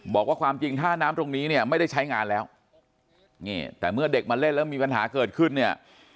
บอกว่าความจริงท่าน้ำตรงนี้เนี่ยไม่ได้ใช้งานแล้วนี่แต่เมื่อเด็กมาเล่นแล้วมีปัญหาเกิดขึ้นเนี่ย